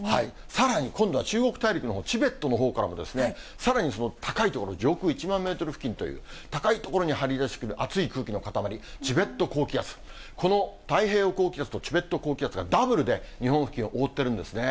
さらに今度は中国大陸のほう、チベットのほうからも、さらにその高い所、上空１万メートル付近という、高い所に張り出している暑い空気の塊、チベット高気圧、この太平洋高気圧とチベット高気圧がダブルで日本付近を覆ってるんですね。